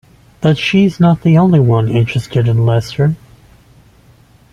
But she's not the only one interested in Lester.